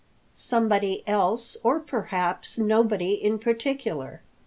Somebody else, or perhaps nobody in particular!